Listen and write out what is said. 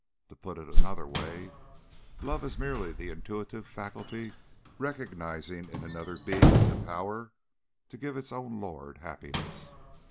To put it in another way: Love is merely the intuitive faculty recognizing in another being the power to give its own lord happiness.